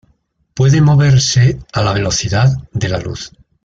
Puede moverse a la velocidad de la luz.